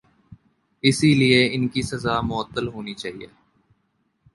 اسی لئے ان کی سزا معطل ہونی چاہیے۔